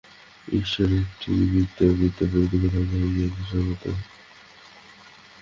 ঈশ্বর একটি বৃত্ত, এই বৃত্তের পরিধি কোথাও নাই, কিন্তু কেন্দ্র সর্বত্র।